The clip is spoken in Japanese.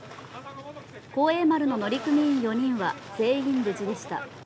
「幸栄丸」の乗組員４人は全員無事でした。